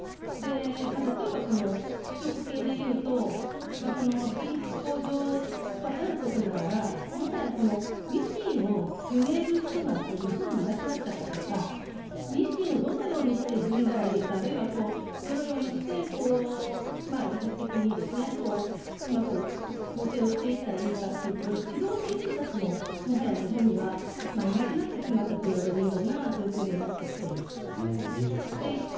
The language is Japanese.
例えば、この服飾系でいうと品質向上はさることながらもはや、このミシンを踏める人が日本になくなっちゃったとかミシンをどのようにして踏んだらいいかあるいはどのようにして技術的にうまく縫製をしていったらいいかという指導する人たちももはや日本にはいなくなってしまったと言われるような状況になってきています。